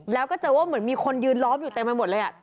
แล้วก็เจอว่าเหมือนมีคนยืนล้อมอยู่เต็มไปหมดเลย